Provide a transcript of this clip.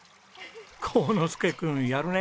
煌之助君やるね。